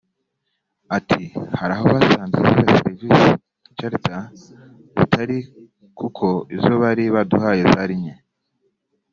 Ati ˝Hari aho basanze ziriya Service charter zitari kuko izo bari baduhaye zari nke